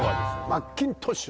マッキントッシュ？